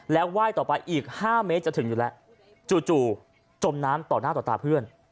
ไหว้ต่อไปอีก๕เมตรจะถึงอยู่แล้วจู่จมน้ำต่อหน้าต่อตาเพื่อน